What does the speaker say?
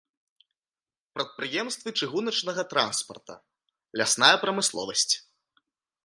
Прадпрыемствы чыгуначнага транспарта, лясная прамысловасць.